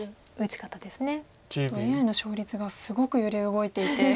ちょっとＡＩの勝率がすごく揺れ動いていて。